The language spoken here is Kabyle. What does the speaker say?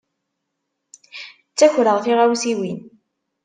Ttakreɣ tiɣawsiwin.